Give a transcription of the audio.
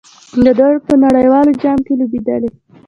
دوی په نړیوال جام کې لوبېدلي.